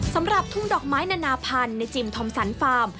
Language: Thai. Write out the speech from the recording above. สำหรับทุ่งดอกไม้นานาพันธุ์ในจิมทอมสันฟาร์ม